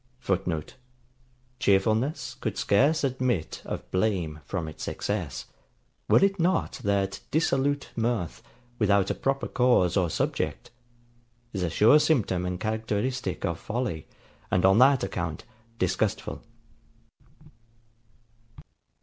[Footnote: Cheerfulness could scarce admit of blame from its excess, were it not that dissolute mirth, without a proper cause or subject, is a sure symptom and characteristic of folly, and on that account disgustful.